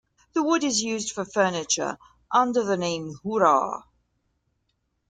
The wood is used for furniture under the name "hura".